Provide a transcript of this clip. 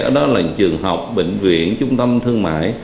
đó là trường học bệnh viện trung tâm thương mại